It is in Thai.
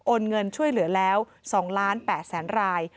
เงินช่วยเหลือแล้ว๒๘๐๐๐ราย